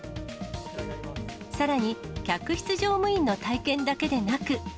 さらに、客室乗務員の体験だけでなく。